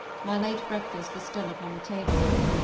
My late breakfast was still upon the table.